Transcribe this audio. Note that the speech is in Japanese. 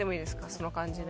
その感じで。